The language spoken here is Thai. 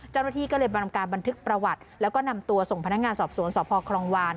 เจ้าหน้าที่ก็เลยบรรการบันทึกประวัติแล้วก็นำตัวส่งพนักงานสอบสวนสพครองวาน